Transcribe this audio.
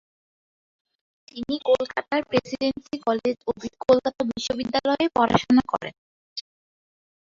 তিনি কলকাতার Presidency College ও কলকাতা বিশ্ববিদ্যালয়ে পড়াশোনা করেন।